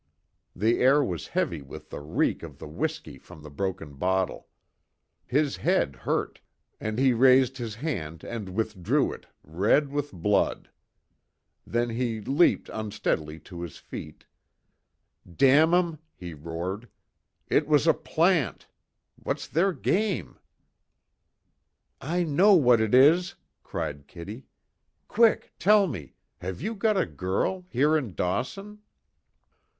The air was heavy with the reek of the whiskey from the broken bottle. His head hurt, and he raised his hand and withdrew it red with blood. Then, he leaped unsteadily to his feet: "Damn 'em!" he roared, "It was a plant! What's their game?" "I know what it is!" cried Kitty, "Quick tell me have you got a girl here in Dawson?"